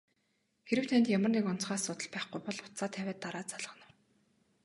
Хэрэв танд ямар нэг онцгой асуудал байхгүй бол утсаа тавиад дараа залгана уу?